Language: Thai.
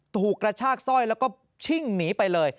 กระชากสร้อยแล้วก็ชิ่งหนีไปเลย